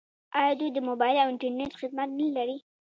آیا دوی د موبایل او انټرنیټ خدمات نلري؟